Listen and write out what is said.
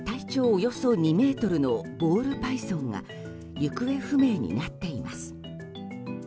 およそ２ｍのボールパイソンが行方不明になっています。